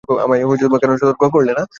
আমায় কেন সতর্ক করলে না?